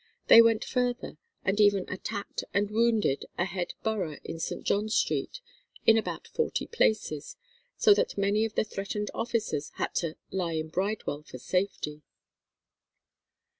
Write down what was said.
They went further, and even attacked and wounded a "head borough" in St. John's Street in about forty places, so that many of the threatened officers had to "lie in Bridewell for safety."